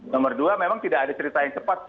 nomor dua memang tidak ada cerita yang cepat sih